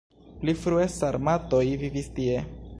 Pli frue sarmatoj vivis tie.